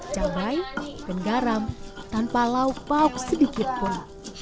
cabai dan garam tanpa lauk lauk sedikitpun